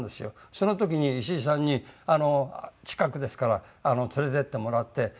その時に石井さんに近くですから連れてってもらって。